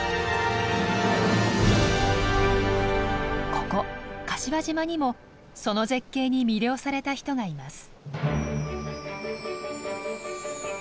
ここ柏島にもその絶景に魅了された人がいます。